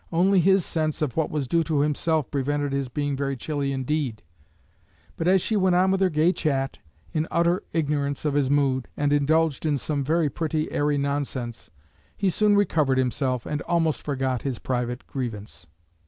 Only his sense of what was due to himself prevented his being very chilly indeed; but as she went on with her gay chat, in utter ignorance of his mood, and indulged in some very pretty airy nonsense, he soon recovered himself, and almost forgot his private grievance.